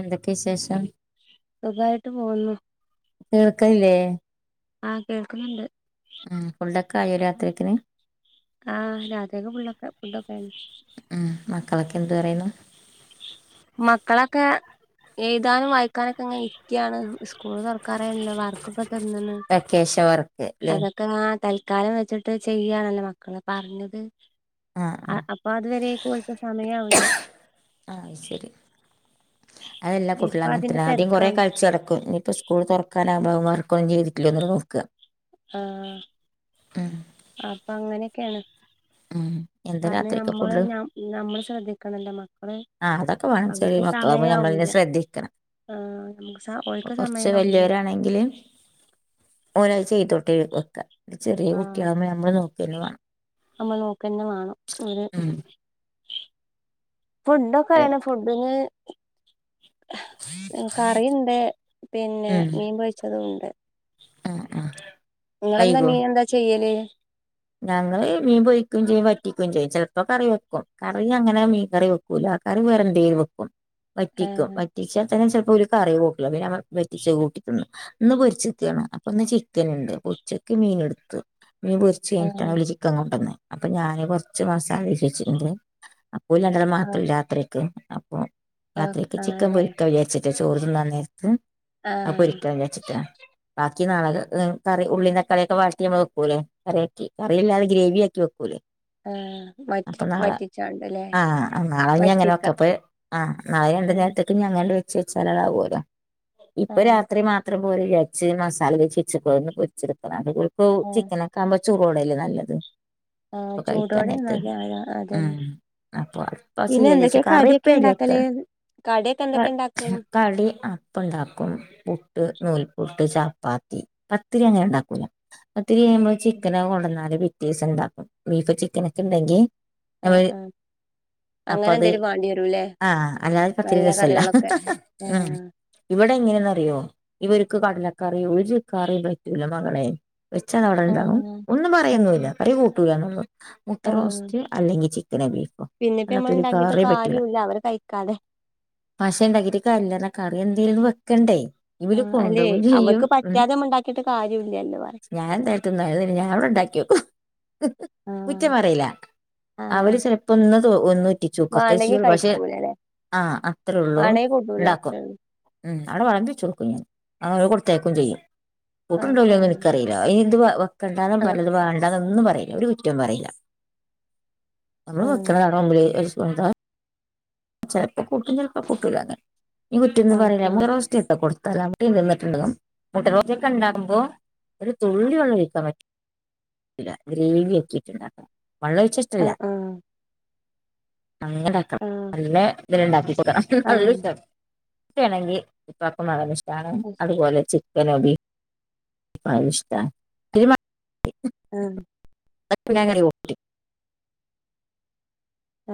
എന്തെക്കെ വിശേഷം സുഖായിട്ട് പോവുന്നു കേൾക്കല്ലേ ആഹ് കേൾക്കുന്നുണ്ട് ഫുള്ളൊക്കെ ആയോ രാത്രിക്ക്ന് ആഹ് രാത്രിക് ഫുൾ ഫുഡൊക്കായ്ന്ന് ഉം മക്കളൊക്കെ എന്തു പറയ്ണു മക്കളൊക്കെ എഴുതാനും വായിക്കാനൊക്കെ ഇങ്ങനെ ഇരിക്കാണ് സ്കൂള് തൊർ കറല്ലേ വർക്കൊക്കെ തന്ന്ണ് വെക്കേഷൻ വർക്ക് ല്ലേ അത ആഹ് തൽക്കാലം വെച്ച്ട്ട് ചെയ്യണല്ലോ മക്കള് പറഞ്ഞത് ആഹ് അ ആഹ് അപ്പൊ അതുവരെ ഓൾക്ക് സമയാവ് ല്ല ആഹ് ശരി അതെല്ലാം കൂട്ടികള് ഇപ്പൊ അതിന്റെ അങ്ങനതന്നെ ആദ്യം കൊറെ തിരക്കാണ് കളിച്ച ടക്കും ഇനിപ്പ സ് സ്കുൾ തുറക്കാനാവുമ്പോഅഹ് മറക്കും [unintelligible] തോർക്കാ ആഹ് അപ്പൊ അങ്ങനെക്കെണ് ഉം [unintelligible] അത് നമ്മള് ഫുഡ് ന നമ്മള് ശ്രദ്ധിക്കണല്ലോ മക്കള് ആഹ് അതൊക്കെ വേണം ചെ അവർക്ക് മക്കളവുമ്പോ സമയാവൂല നമ്മളെന്നെ ശ്രദ്ധിക്കണം ആഹ് നമുക്ക് ഓൽക്ക് കൊറച്ച് സമയാവൂല വല്ല്യോരാണെങ്കില് ഒരാൾ ചെയ്തോട്ടേ വെക്ക ചെറിയ ആഹ് കുട്ട്യാഉമ്പോ നമ്മൾ നോക്കെന്ന വാണം നമ്മൾ നോക്കന്നെ വാണം ഉം ഫുഡൊക്കെ ആയ്ന് ഫുഡ്ന് കറിണ്ട് പിന്നെ ഉം മീൻ പൊര്ച്ചതും ഉണ്ട് ആഹ് ആഹ് നിങ്ങളെന്താ വൈകോ മീൻ എന്താ ചെയ്യല് ഞങ്ങള് മീൻ പൊരിക്കും ചെയ്യും വറ്റിക്കും ചെയ്യും ചിലപ്പോ കറി വെക്കും കറി അങ്ങനെ മീൻ കറി വെക്കു [unintelligible] ലാ ക്കാർ വേറെ എന്തെവെക്കും വറ്റിക്കും ആഹ് വറ്റിച്ചാ തന്നെ ചിലപ്പോ ഒരു കറി കുട്ടൂല പിന്നെ വറ്റിച്ച കൂട്ടി തിന്നും ഇന്ന് പൊരിച്ചെക്കാണർഞ് അപ്പൊ ഒന്ന് ചിക്കൻണ്ട് ഉച്ചക്ക് മീൻ എടുത്തു മീൻ പൊരിച്ച് ആഹ് കഴിഞ്ഞട്ടാണ് ചി ക്കം കൊണ്ടന്ന് അപ്പൊ ഞാന് കൊറച്ചു മാസാലിം [unintelligible] ന്റെ ഓല് രണ്ടാൾ ആഹ് മാത്രല്ല രാത്രിക്ക് അപ്പം ആഹ് രാത്രിക്ക് ചിക്കൻ ആണല്ലേ പൊരിക്ക വിചാരിച്ച ചോറ്ന്ന നേരത്ത് അഹ് ആഹ് പൊരിക്കാൻ വ്ജാച്ചിട്ടാ ബാക്കി നാളക ഹ് കറി ഉള്ളീ തക്കളിയൊക്കെ വാറ്റി വെക്കൂല്ലേ കറിയാക്കി കറിയില്ലാതെ ഗ്രേവി ആക്കി വെക്കൂലേ ആഹ് വറ്റി അപ്പൊ നാളെ വറ്റിച്ചാണ്ടല്ലേ ആഹ് നാളെ ഞ്ഞി അങ്ങനെ വറ്റിക്ക വെക്കെപ്പേ ആഹ് നാളെ രണ്ടു ഉം നേരത്തേക്ക് ഞങ്ങനെ വെച്ചച്ചാൽ അതാവുല്ലോ ഇപ്പൊ ആഹ് രാത്രി മാ ത്രം പോരെ രാച്ചി മസാലതേച്. ച്ചികൊന്ന്പൊരിച്ചെടുതതാ അത്പ്പോ ആഹ് ചിക്കന. ക്കാഉമ്പോ ച്ചൂടോടല്ലേ നല്ലത് ആഹ് അപ്പൊ ചൂടോടെ കഴിക്കാന്നേരത്ത് തിന്നാല് അത ഉം അതന്നെ അപ്പൊ പിന്നെ സെയ്യാ വിചാരിച്ച് എന്തൊക്കെയാ കടിയൊക്കെ ഉണ്ടാക്കല് കറിയുപ്പേരിക്കെണ്ട് കടിയൊക്കെ എന്തൊക്കെ ഉണ്ടാക്കും കടി അപ്പണ്ടാക്കും പുട്ട് നൂൽപ്പുട്ട് ചാപ്പാത്തി പത്തിരി അങ്ങനുണ്ടാക്കൂല പത്തിരിയാകുമ്പോ ചിക്കന കൊടുന്നാല് പിറ്റേസം ണ്ടാക്കും ബീഫ് ചിക്കനൊക്കെണ്ടെങ്കി എഹ് എഹ് അപ്പത് ആഹ് അല്ലാതെപ്പം പത്തിരി നല്ല രസല്ലാ കറികളൊക്കെ ആഹ് ഇവിടെ എങ്ങനെയന്ന്റിയോ ഇവരുക്ക് കടലക്കറിയോ ഒരുക്കറിയും പറ്റൂല മകളെ വെച്ച അവിടെണ്ടാകും ആഹ് ഒന്നും അത് പറയുന്നൂല്ല ശരി കറികൂട്ടൂലന്നാ മുട്ട ആഹ് റോസ്റ്റ് അല്ലെങ്കി ചിക്കനെ ബീഫ് പിന്നെപ്പ നമ്മള ഉണ്ടാക്കിയിട്ട് കാര്യുല്ല അവര് കഴിക്കാതെ പഷേണ്ടാക്കിട്ട് കാര്യല്ല കറി എന്തേലും വെക്കണ്ടേ ഇവല് ആഹ് അല്ലെ കൊണ്ടോവും ചെയ്യും അവർക്ക് ഉം പറ്റാതെ നമ്മ ഉണ്ടാക്കിട്ട് കാര്യമില്ലല്ലോ പറയാ ഞാൻതാ ന്നാലും ശരി ഞൻടെ ണ്ടാക്കിയൊക്കും കുറ്റോം പറയില്ല ആഹ് അവര് ചെ പ്പന്നത് ഒന്നു ട്ടിച്ചൂക്കത്തെ വേണ്ടെങ്കി [unintelligible] പക്ഷെ കഴിക്കൂലല്ലെ ആഹ് അത്രേ ഉള്ളൂ വേണെങ്കി കൂട്ടൂല ണ്ടാക്കും അത്രേ ഉള്ളൂ മ് അവിടെ വളമ്പിച്ചോട്ക്കും അ കൊടുത്തയക്കേയും ചെയ്യും ഓക്കെ കൂട്ടുന്നുണ്ടോല്ലേന്ന് എൻക്കറിയില്ല ഇ ഇത് വെക്കണ്ടാന്നും ആഹ് പറയൂല ഇത് വാണ്ടാന്നൊന്നും പറയില്ല ഒരു കുറ്റം പറയില്ല നമ്മള് ആഹ് വെക്കണതാണോ [unintelligible] ചെലപ്പോ കൂട്ടും ചെലപ്പോ കൂട്ടൂല ഈകുറ്റിന്ന് പറയുല ഓക്കെ ഞണ്ട് റോസ്റ്റൊക്കെ കൊടുത്താല കുട്ടി നിന്നിട്ടുണ്ടും മുട്ട റോസ്റ്റോക്കെ ഉണ്ടാകുമ്പോൾ ഒരു തുള്ളി വെള്ളം [unintelligible] ഗ്രേവി ആക്കിട്ടുണ്ടാക്കണം [unintelligible] ആഹ് ആഹ് അങ്ങനെയാകാം ആഹ് പിന്നെ ഇതിലണ്ടാക്കിക്കൂട ആഹ് [unintelligible] നല്ലണെങ്കിൽ [unintelligible] അതുപോലെ ചിക്കനും ബിഫ് ഇഷ്ട [unintelligible] ഉം അങ്ങനഓക്കി [unintelligible]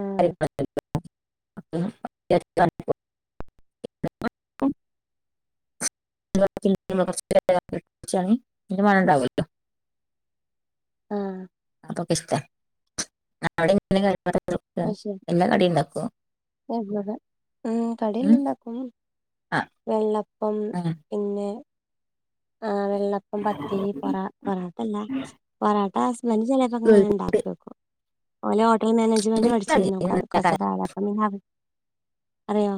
ആഹ് [unintelligible] മന കച്ച [unintelligible] ആഹ് അപ്പൊക്കെ ഇഷ്ടാ [unintelligible] അത് ശരി എല്ലാ കടിയും ഉണ്ടാക്കൊ ഉം കടിയെല്ലോ ഉം ഉണ്ടാക്കും ആ വെള്ളപ്പം പിന്നെ ആഹ് വെള്ളപ്പം പത്തിരി പൊറ പൊറാട്ടല്ല പൊറാട്ട ഹസ്ബിന്റിന് ചില ങ്ങനെ അങ്ങനെ ഉണ്ടാക്യോക്കും ഓലെ ഹോട്ടൽ മാനേജ്മെന്റ് എനിക്കറിയില്ല പഠിച്ചിന്നു ഇതിനെക്കുറിച്ചൊക്കെ. കൊറച്ച് കാലപ്പം അറിയോ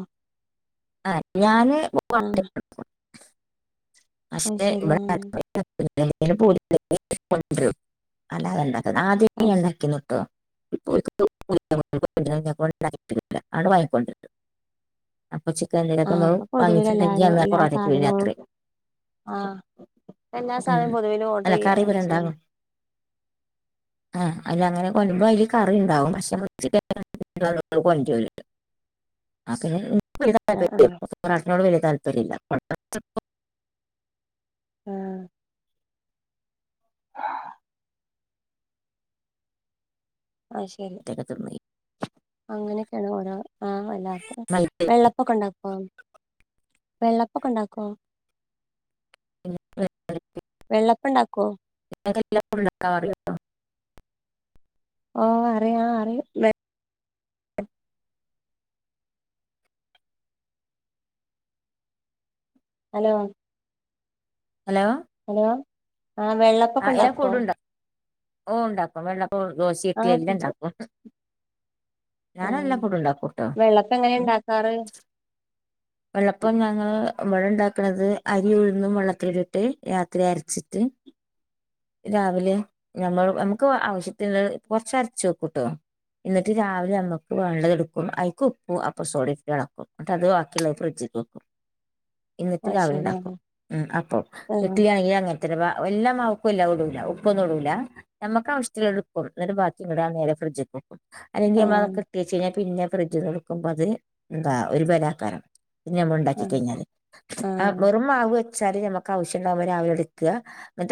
ആഹ് ഞാന് പോണ്ട ആഹ് അത് പക്ഷെ ശരി ഇവിടെ [unintelligible] അല്ലാതെ ഉണ്ടാക്ക ആ ആദ്യം ഉണ്ടാക്കി നുട്ടോ [unintelligible] വാങ്ങിക്കൊണ്ട് ആ അപ്പൊ [unintelligible] പൊതുവിൽ വങ്ങിച്ചുണ്ടങ്കി എല്ലാരും കൊറക്ക് രാത്രി [unintelligible] ആഹ് എല്ലാ സാധനവും പൊതുവേലും ഓർഡർ ചെയ്യണല്ലോ ചെയ്യുന്ന ആഹ് അയിന് അങ്ങനെ വരുമ്പോ അതില് കറിണ്ടാവും പക്ഷെ [unintelligible] ആ ആ [unintelligible] വലിയ താല്പര്യമല്ല [unintelligible] ആഹ് അയ് ശരി പൊറോട്ടയൊക്കെ തിന്നു അങ്ങനെയൊക്കെയാണ് ഓരോ ആഹ് എല്ലാർക്കും വെള്ളപ്പൊക്കെ ഉണ്ടാക്കോ വെള്ളപ്പൊക്കെ ഉണ്ടാക്കോ [unintelligible] പ്പണ്ടാക്കൊ ഇങ്ങക്കെല്ലാർക്കും ഉണ്ടാക്കാനറിയൊ ഓ അറിയ അറിയും ഹലോ ഹലോ ഹലോ ആഹ് വെള്ള ആഹ് എല്ലാ ഫുഡുണ്ടാക്കും ഓ ഉണ്ടാക്കും വെള്ളപ്പൊം ആ ദോശയൊക്കെ എല്ലാണ്ടാക്കും ഏ ട്ടോ വെള്ളപ്പം എങ്ങനെ ഉം. ഉണ്ടാക്കാറ് വെള്ളപ്പം ഞങ്ങള് ഇവടെണ്ടാക്ക്ണത് അരിം ഉഴുന്നും വെള്ളത്തിലിട്ടിട്ട് രാത്രി അരച്ചിട്ട് [inaudible] രാവിലെ ഞമ്മള് ഞമ്മക്ക് ആവശ്യത്തിന്ള്ളത് കൊറച്ച് അരച്ച് വെക്കുട്ടോ ഇന്നട്ട് രാവിലെ ന ഞമ്മക്ക് വേണ്ടത് എടുക്കും അയിക്ക് ഉപ്പും അപ്പസോടിം ഇട്ട് എളക്കും ന്നിട്ട് അത് ക്കിള്ളത് ഫ്രിഡ്ജ്ക്കക്കും എന്നിട്ട് അത് രാവിലെ ശരി ആ ഉണ്ടാക്കും ഉം അപ്പം ആ ഇഡ്ഡിലിയാണെങ്കിലും അങ്ങ തന്നെ പാ എല്ലാ മാവ്ക്കും എല്ലാം ഇടൂല ഉപ്പൊന്നും ഇടൂല ഞമ്മക്ക് ആവശ്യത്തിന്ള്ള എടുക്കും ന്നട്ട് ബാക്കി ന്നട്ട ആ നേരെ ഫ്രഡ്ജ്ക്കും അല്ലെങ്കി ആ നമ്മളതൊക്കിട്ട് വെച്ച് കഴിഞ്ഞാ പിന്നെ ഫ്രിഡ്ജ് ന്നെട്ക്കുമ്പം അത് എന്താ ഒരു ബലാകാരം പിന്നെ ഞമ്മള് ഇണ്ടാക്കി ആ കയ്ഞ്ഞാല് ആ ആഹ് വെറും മാവ് വെച്ചാല് ഞമ്മക്ക് ആവശ്യംണ്ടാവുമ്പം രാവിലെ ട്ക്കാ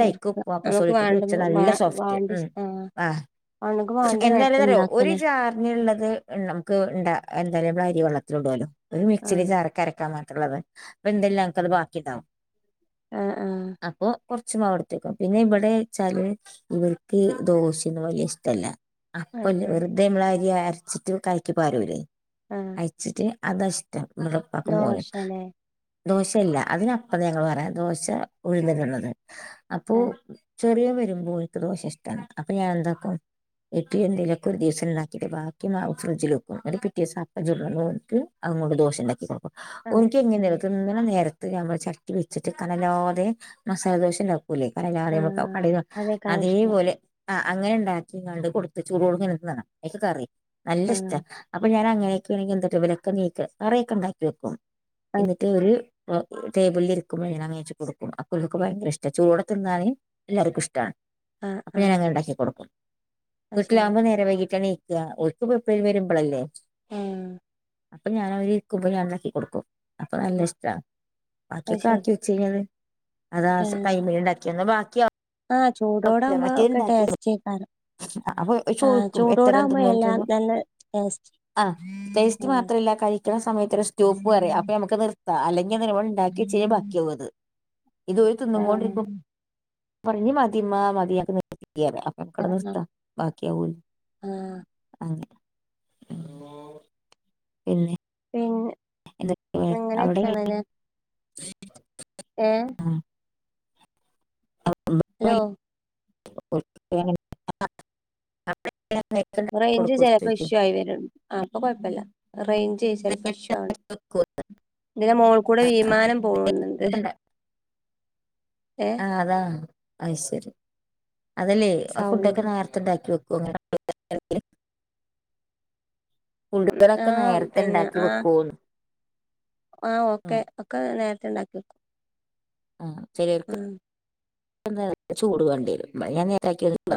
കൊടുക്ക നമുക്ക് അപ്പസോടിട്ട് വാണ്ട വെച്ച വാ നല്ല സോഫ്റ്റ് വാണ്ടി ഉം ആ ആഹ് ഓണക്ക് വാണ്ട നേരത്തെ എന്താണിതറിയോ ഒര് ഇണ്ടാക്കലേ ജാ അങ്ങള്ളത് നമുക്ക് എന്ത എന്തറ്യാ നമ്മള് അരി വെള്ളത്തില് ഇടൊല്ലോ ഒരു മിക്സില് ആഹ് ജാറ്ക്കരക്കാം മാ ള്ളത് അപ്പം [unintelligible] ക്കത് ബാക്കിണ്ടാവും അഹ് ആഹ് അപ്പൊ കൊറച്ച് മാവ്ട്ത്തെക്കും പിന്നെ ഇവിടേച്ചാല് ഇവർക്ക് ദോശൊന്നും വല്യ ഇഷ്ടല്ല അത് അപ്പല്ലെ ശരി വെറുതെ നമ്മളരി അരച്ചിട്ട് കലക്കി പാരൂലേ ആഹ് ച്ചിട്ട് അതഷ്ടം ഇവടെപ്പാക്കും മോനും ദോശലേ ദോശയല്ല അതിനപ്പം ഞങ്ങള് പറയാ ദോശ ഉഴുന്നിടുന്നത് അപ്പൊ ആഹ് ചെറിയോൻ വരുമ്പം ഓൻക്ക് ദോഷ ഇഷ്ടാണ് അപ്പൊ ഞാൻ എന്താക്കും ഇഡ്ഡലിയോ എന്തേലൊക്കെ ഒരു ദിവസം ഉണ്ടാക്കിട്ട് ബാക്കി മാവ് ഫ്രിഡ്ജില് വെക്കും ന്നട്ട് പിറ്റേ ദിവസം അപ്പം ചുട്ണന്നോൻക് അങ്ങോട്ട് ദോഷം ഉണ്ടാക്കി കൊടുക്കും ആഹ് ഓൻക്ക് എങ്ങനെ ആഹ് ഓൻക് തിന്ന്ണ നേരത്ത് ഞമ്മള് ചട്ടി വെച്ചിട്ട് കനല്ലാതെ മസാലദോശണ്ടാക്കും ണ്ടാക്കൂലെ കനല്ലാതെ നമുക്കത് ആഹ് കടേന്ന് വാ അതേക്കാരം ഇഷ്ടം അതേപോലെ ആഹ് അങ്ങനെ ണ്ടാക്കിങ്ങാണ്ട് കൊടുത്ത് ചൂടോട്ക്കെങ്ങനെ ഇട്‌ണാണ അയ്ക്ക് കറിം നല്ല ഇഷ്ട ആഹ് അപ്പൊ ഞാൻ അങ്ങനെയൊക്കെ ആണെങ്കി എന്തൊക്കെ വിലൊക്കെ നീക്ക കറയൊക്കെ ഉണ്ടാക്കി വെക്കും അത് എന്നിട്ട് ഒര് അപ്പൊ ടേബിലില് ഇരിക്കുമ്പം ഞാൻ വേവിച്ചു കൊടുക്കും അപ്പംബല്ക്ക് ഭയങ്കര ഇഷ്ട ചൂടെ തിന്നാന് എല്ലാവർക്കും ഇഷ്ടാണ് ആഹ് അപ്പൊ ഞാൻ ആഹ് അങ്ങനെ ഇണ്ടാക്കി കൊടുക്കും അത് ശരി വീട്ടിലാകുമ്പോൾ നേരെ വൈകിട്ടാണ് ണീ ക്കാ ഓൽക്ക് പ്പം എപ്ലേം വരുമ്പളല്ലെ ഏ അപ്പൊ ഞാൻ അവര് ഇര്ക്കുമ്പം ഞാണ്ടാക്കി കൊടുക്കും അപ്പം നല്ല ഉം ഇഷ്ട അത് ബാക്കിയൊക്കെ ശരി ആക്കി വെച്ചയ് ഞ്ഞാല് അതാ ആഹ് ടൈമിലിണ്ടാക്ക്യാ ന്നാ ബാക്ക്യാ ആഹ് ചൂടോടെ ആവുമ്പോ ഒക്കെ ടേസ്റ്റ് എയ്ക്കാരം അപ്പൊ ആഹ് ചോദിക്കും ചൂടോടകുമ്പോ എല്ലാം നല്ല ടേസ്റ്റ് അഹ് ടേസ്റ്റ് ആഹ് മാത്രല്ല കഴിക്കണ സമയത്ത്ള്ള സ്റ്റോപ്പും അറ്യാ അപ്പം ഞമ്മക്ക് നിർ അല്ലെങ്കി എന്തറിയോ ഒര് ഇണ്ടാക്കി വച്ചയ്ഞ്ഞാ ബാക്കിയാവും അത് ഇത് ഓല് തിന്നും കൊണ്ടിരിക്കു ആഹ് മ്പം ഇഞ്ഞ് മതിമ്മാ മതീയറിം അപ്പം നിർത്തിയെക്കീയറിം അപ്പൊക്കടെ ആഹ് നിർത്താ ബാക്കിയാവൂല്ലാ ആഹ് അങ്ങനെ പിന്നെ പിന്നെ എന്തൊക്കെ അങ്ങനെയൊക്കെയാണ്ല്ലേ [inaudible] ഏ ഹലോ അവിടെ [unintelligible] [unintelligible] റേഞ്ച് ചിലപ്പോ ഉച്ചയ്ക്ക് ഇഷ്യൂ ആയി വരണ്ട് അപ്പൊ കൊഴപ്പില്ല റേഞ്ച് ചിലപ്പോ ഇഷ്യൂ ആവ്ണ്ട് ഇതിൻ്റെ മോൾ കൂടെ വിമാനം പോകുന്നുണ്ട് ഏ ആ അതാ അഹ് ശരി അതല്ലേ ആ ഫുഡൊക്കെ സൗണ്ട് നേരത്തണ്ടാക്കി വെകൊ [inaudible] ഫുഡ്കളൊക്കെ ആഹ് നേരത്തെ പിന്നെ ഉണ്ടാക്കി വെക്കോന്ന് ആ ഓക്കെ ഒക്കെ നേരത്തെ ഉണ്ടാക്കി ആ ചെലർക്ക് എന്ത ചൂട് വേണ്ടി വരും ഞാൻ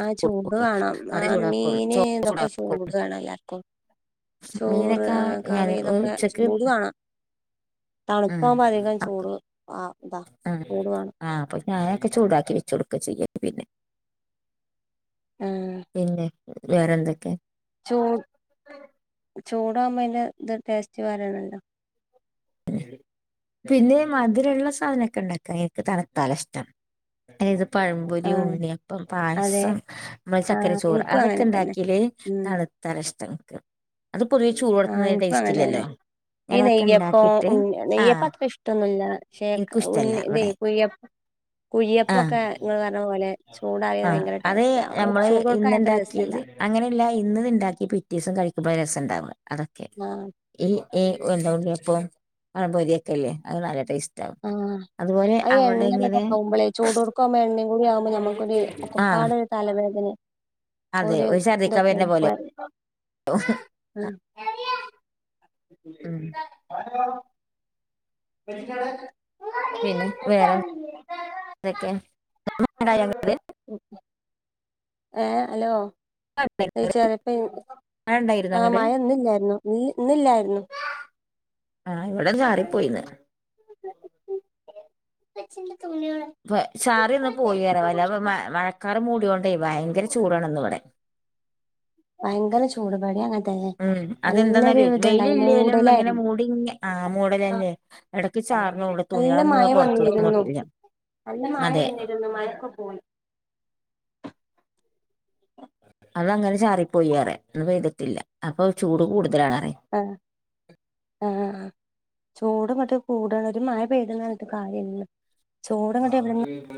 ആഹ് ചൂട് വേണം കറി ആഹ് ചൂടാക്കും മീന് ചോ ഇതൊക്കെ റ്ചൂടാക്കും ചൂട് വേണം എല്ലാർക്കും ചോറ് മീനൊക്കെ ആഹ് ഞാന് ഒരു ഉച്ചക്ക് ഉം, തണുപ്പാവുമ്പോ അധികം ആക്ക്, ചൂട് ആ ഇതാ ചൂടു വാണ് ആഹ് അപ്പൊ ഞാനൊക്കെ ചൂടാക്കി വെച്ച കൊടുക്ക ചെയ്യേ പിന്നെ ആഹ് പിന്നെ വേറെന്തൊക്കെ ചൂ ചൂടാവകുമ്പോ അതിന്റെ ഇത് ടേസ്റ്റ് വരണല്ലോ പിന്നെ മധുരമുള്ള സാധനമൊക്കെ ഉണ്ടാക്ക എനിക്ക് തനത്താല ഇഷ്ടം അതായത് പഴംപൊരി ആഹ് ഉണ്ണി അപ്പം അതെ പായസം നമ്മൾ ചക്കര ആഹ് ചോറ് എനിക്കും അതൊക്കെ അങ്ങനെ തന്നെ ഉണ്ടാക്കീല് ഉം തണുത്താല ഇഷ്ടം അത് പൊതിയ ചൂട് ആഹ് കൊടുത്തുന്നതിന്റെ എനിക്കും ടേസ്റ്റ് ഇല്ലല്ലോ ഞാനതൊക്കെ ഉണ്ടാക്കിട്ട് ഉണ് നെയ്യപ്പ ആഹ് അത്ര ഇഷ്ടൊന്നുമല്ലേ എനിക്കും ഇഷ്ടല്ല ഉണിഇതെ ഇവിടെ കുയ്യപ്പ കുയ്യപ്പ ആഹ് ഒക്കെ നിങ്ങൾ പറഞ്ഞ പോലെ ചൂടായ ആഹ് ഭയങ്കര അത് ടേസ്റ്റ് ആകും നമ്മള് ചൂട് കൊടുക്കാൻ എത്ര രസല്ല ഇന്നുണ്ടാക്കിയത് അങ്ങനെയല്ല ഇന്ന ഇത് ഉണ്ടാക്കി പിറ്റേസം കഴിക്കുമ്പോ രസം ഉണ്ടാവ അതൊക്കെ ആഹ് ഏല് ഏ ഉണ്ടാവണ്ട് അപ്പൊ പഴമ്പൊരിയൊക്കെല്ലേ അത് നല്ല ടേസ്റ്റ് ആവും ആഹ് അതുപോലെ ആ അവിടെ എണ്ണ കൂടെ എങ്ങനെ ആവുമ്പോളേ ചൂടുക്കവുമ്പോ എണ്ണയും കൂടി ആവുമ്പോ നമ്മുക്കൊരു ആഹ് ഒക്കപ്പാട് തലവേദന അതെ ഒരു ഛർദ്ദിക്കാൻ വരുന്ന ഇതൊക്കെയാണ് പോ പോലെ [unintelligible] ഉം ഉം [inaudible] [inaudible] പിന്നെ വേറെന്ത ഇതൊക്കെ ഏഹ് ഹലോ ച്ചറപ്പ ഉണ്ടായിരുന്നു ആഹ് അങ്ങട് മഴ ഇന്നില്ലായിരുന്നു ഇന്നില്ലായിരുന്നു ആഹ് ഇവിടെ ചാറിപ്പോയിന്ന് അച്ചിന്റെ തുണിയടെ ഇ ചാറിന്ന് പോയിറല്ല അപ്പ മഴക്കാർ മൂടോണ്ടേ ഭയങ്കര ചൂടാണ് ഇന്ന ഇവിടെ ഭയങ്കര ചൂടുപടി അ ഉം അതെന്താന്ന വെയില ഇല്ലേലും ഇങ്ങനെ മൂടലായിരുന്നു മൂടിങ്ങ ആഹ് ആ മൂടലന്നേ ഇടയ്ക്ക് ചാറിനള്ളൂ നല്ല മഴ തുണികളന്നെ വന്നിരുന്നു പുറത്തുന്നോട്ടില്ല ഞാൻ നല്ല മഴ വന്നിരുന്നു മഴൊക്കെ പോയി അതങ്ങനെ ചാറിപ്പോയി അറ ഒന്ന് പെയ്തിട്ടില്ല അപ്പൊ ചൂട് കൂടുതലാണറിയ ആഹ് ആഹ് ചൂട് മറ്റേ കൂടണ ഒരു മഴ പെയതുന്നാണ് ഇ കാര്യം ചൂടം കട്ട്